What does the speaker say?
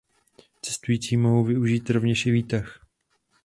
Cestující mohou využít rovněž i výtah.